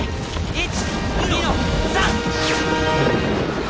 １２の３！